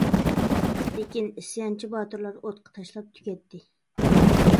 لېكىن ئىسيانچى باتۇرلار ئوتقا تاشلاپ تۈگەتتى.